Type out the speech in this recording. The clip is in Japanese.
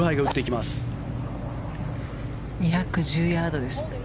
２１０ヤードです。